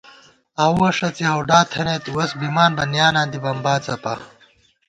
آؤوَہ ݭڅی ہَوڈا تھنَئیت وس بِمان بہ نِیاناں دی بمبا څَپا